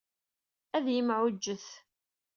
Ad yemɛujjet.